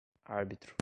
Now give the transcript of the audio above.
árbitro